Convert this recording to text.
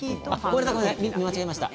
間違えました。